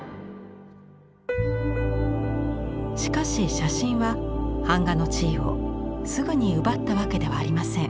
しかし写真は版画の地位をすぐに奪ったわけではありません。